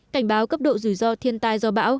cảnh báo cấp độ rủi ro thiên tai do bão